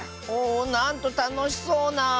おおなんとたのしそうな。